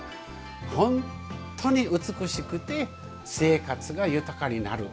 本当に美しくて生活が豊かになる。